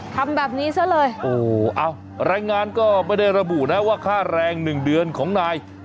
ทำแบบนี้ซะเลยโอ้โหอ้าวรายงานก็ไม่ได้ระบุนะว่าค่าแรงหนึ่งเดือนของนาย